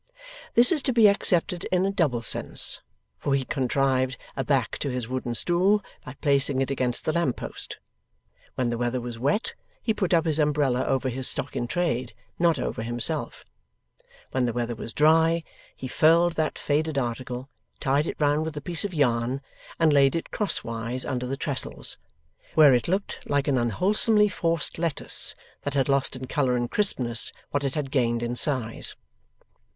This is to be accepted in a double sense, for he contrived a back to his wooden stool, by placing it against the lamp post. When the weather was wet, he put up his umbrella over his stock in trade, not over himself; when the weather was dry, he furled that faded article, tied it round with a piece of yarn, and laid it cross wise under the trestles: where it looked like an unwholesomely forced lettuce that had lost in colour and crispness what it had gained in size.